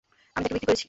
আমি তাকে বিক্রি করেছি।